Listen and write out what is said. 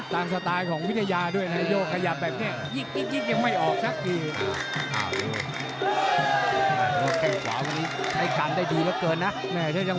ตามสไตล์ของวิทยาด้วยนะยกขยับแบบนี้ยิบร้อยยิบร้อยยิบร้อยยังไม่ออก